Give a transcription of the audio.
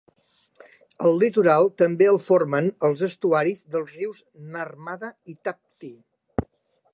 El litoral també el formen els estuaris dels rius Narmada i Tapti.